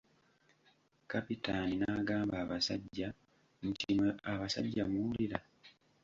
Kapitaani n'agamba abasajja nti mmwe abasajja muwulira?